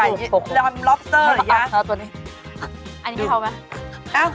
หรือล้อบเซอร์ไหมยังอันนี้เขาไหม